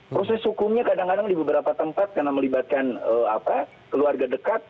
proses hukumnya kadang kadang di beberapa tempat karena melibatkan keluarga dekat